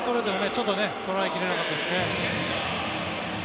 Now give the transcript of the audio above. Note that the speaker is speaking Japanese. ちょっと捉え切れなかったですね。